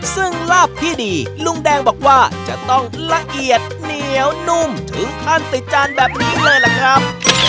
ซึ่งลาบที่ดีลุงแดงบอกว่าจะต้องละเอียดเหนียวนุ่มถึงขั้นติดจานแบบนี้เลยล่ะครับ